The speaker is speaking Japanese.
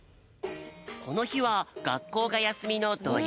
このひはがっこうがやすみのどようび。